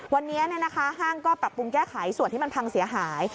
วันนี้ห้างก็ปรับปรุงแก้ไขส่วนที่มันพังเสียหาย